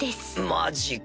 マジか。